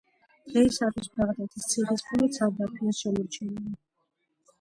დღეისათვის ბაღდათის ციხის მხოლოდ სარდაფია შემორჩენილი.